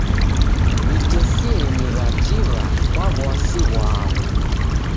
W'itesienyi w'akiw'a kwa w'asi ghwaw'o.